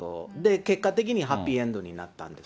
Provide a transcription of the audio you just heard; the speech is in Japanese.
結果的にハッピーエンドになったんです。